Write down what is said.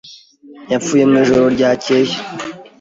Yapfuye mu ijoro ryakeye.